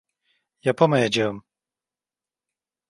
Yapamayacağım.